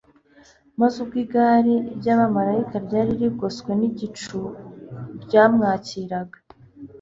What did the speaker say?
maze ubwo igare Iy'abamaraika, ryari rigoswe n'igicu ryamwakiraga,